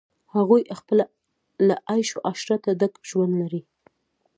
هغوی خپله له عیش و عشرته ډک ژوند لري.